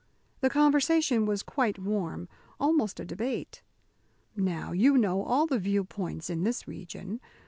The conversation was quite warm, almost a debate. Now, you know all the view points in this region.